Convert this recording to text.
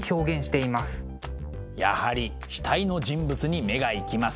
やはり額の人物に目が行きます。